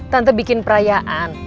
tante bikin perayaan